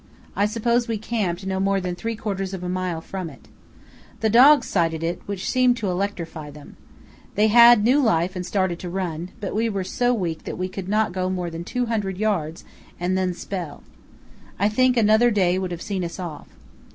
I suppose we camped no more than three quarters of a mile from it. The dogs sighted it, which seemed to electrify them. They had new life and started to run, but we were so weak that we could not go more than 200 yds. and then spell. I think another day would have seen us off.